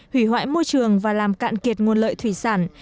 hủy hoại môi trường và làm cạn kiệt nguồn lợi thủy sản